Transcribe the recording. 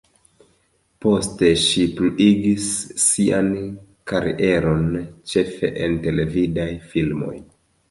Poste, ŝi pluigis sian karieron ĉefe en televidaj filmoj.